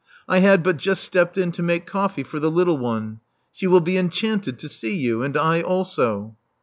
I had but just stepped in to make coffee for the little one. She will be enchanted to see you. And I also."